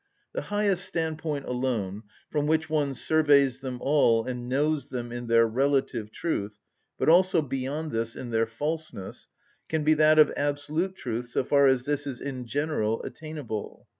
The highest standpoint alone, from which one surveys them all and knows them in their relative truth, but also beyond this, in their falseness, can be that of absolute truth so far as this is in general attainable.